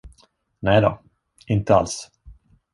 Nej då, inte alls.